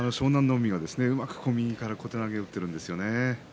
海がうまく右から小手投げを打っているんですね。